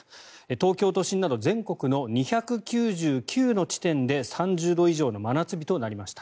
東京都心など全国の２９９の地点で３０度以上の真夏日となりました。